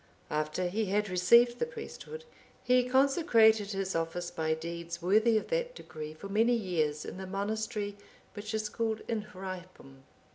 After he had received the priesthood, he consecrated his office by deeds worthy of that degree for many years in the monastery which is called Inhrypum.